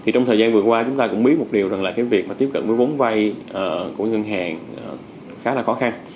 trong thời gian vừa qua chúng ta cũng biết một điều là việc tiếp cận với vốn vay của ngân hàng khá là khó khăn